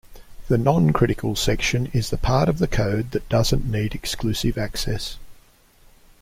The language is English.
The non-critical section is the part of code that doesn't need exclusive access.